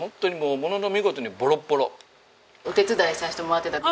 お手伝いさせてもらってた時。